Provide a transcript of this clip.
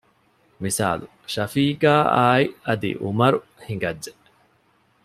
މިސާލު ޝަފީޤާއާއި އަދި ޢުމަރު ހިނގައްޖެ